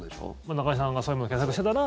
中居さんがそういうのを検索してたら。